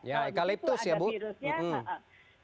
ya ekaliptus ya bu